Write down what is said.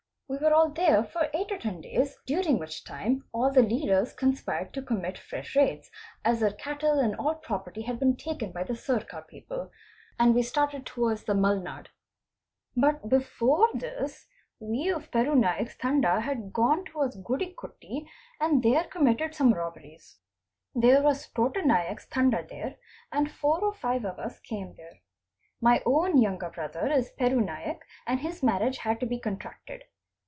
We were all there for eight or ten days, during which time all the leaders conspired to commit fresh raids as their cattle and all property had been taken by the Sircar people and we started towards the Mulnad. But before this we of Peru Naik's Tanda had gone towards Gudikote and there committed some robberies. 'There was Tota Naik's Tanda there, and four or five of us came there. My own younger brother is Peru Naik and his marriage had to be contracted.